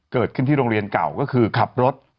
เกิดขึ้นที่โรงเรียนเก่าก็คือขับรถ